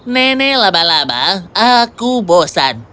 nenek labalaba aku bosan